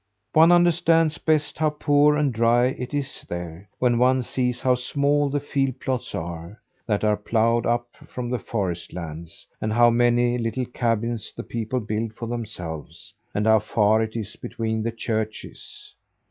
One understands best how poor and dry it is there, when one sees how small the field plots are, that are ploughed up from the forest lands; and how many little cabins the people build for themselves; and how far it is between the churches.